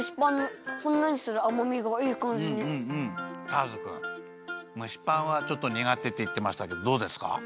ターズくんむしパンはちょっとにがてっていってましたけどどうですか？